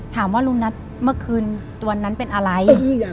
ถามว่าลุงนัทเมื่อคืนตอนนั้นเป็นอะไร